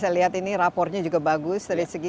saya lihat ini rapornya juga bagus dari segi